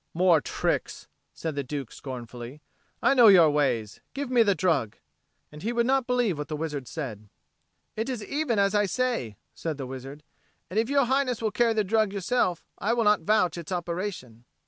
"More tricks!" said the Duke scornfully. "I know your ways. Give me the drug." And he would not believe what the wizard said. "It is even as I say," said the wizard. "And if Your Highness will carry the drug yourself, I will not vouch its operation."